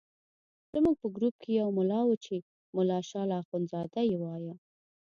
زموږ په ګروپ کې یو ملا وو چې ملا شال اخندزاده یې وایه.